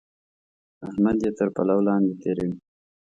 احمد يې تر پلو لاندې تېروي.